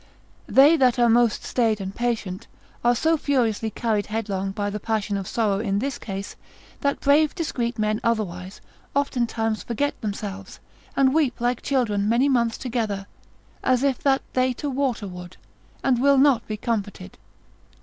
They that are most staid and patient, are so furiously carried headlong by the passion of sorrow in this case, that brave discreet men otherwise, oftentimes forget themselves, and weep like children many months together, as if that they to water would, and will not be comforted.